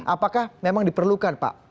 apakah memang diperlukan pak